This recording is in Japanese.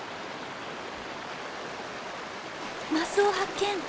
マスを発見！